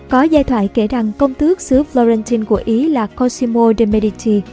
có giai thoại kể rằng công tước xứ florentine của ý là cosimo de medici